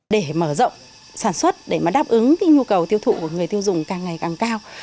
để mở rộng sản xuất để mà đáp ứng cái nhu cầu tiêu thụ của người tiêu dùng càng ngày càng cao